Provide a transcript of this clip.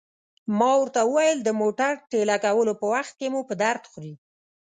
ما ورته وویل: د موټر ټېله کولو په وخت کې مو په درد خوري.